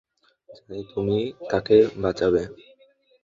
জানি, তুমি তাকে বাচাবে।